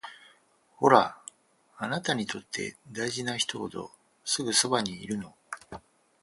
ほら、あなたにとって大事な人ほどすぐそばにいるの